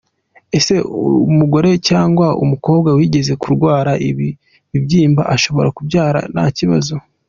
Ese umugore cyangwa umukobwa wigeze kurwara ibi bibyimba ashobora kubyara ntakibazo?.